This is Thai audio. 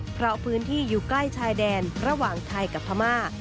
เพราะพื้นที่อยู่ใกล้ชายแดนระหว่างไทยกับพม่า